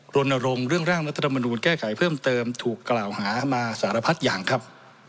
รณรงค์เรื่องร่างรัฐธรรมนูลแก้ไขเพิ่มเติมถูกกล่าวหามาสารพัดอย่างครับ